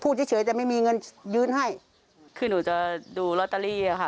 เฉยเฉยจะไม่มีเงินยื่นให้คือหนูจะดูลอตเตอรี่อ่ะค่ะ